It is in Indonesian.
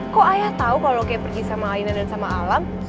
kok ayah tahu kalau kayak pergi sama ainan dan sama alam